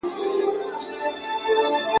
دا ډېر ساده کار دی.